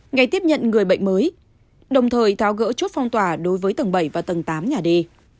ngày tiếp nhận người bệnh mới đồng thời tháo gỡ chốt phong tỏa đối với tầng bảy và tầng tám nhà đi